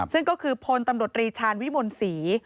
ซึ่งก็คือพลตำรวจรีชาญวิมลศรี